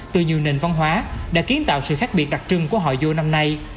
từ nhiều nền văn hóa đã kiến tạo sự khác biệt đặc trưng của họ vô năm nay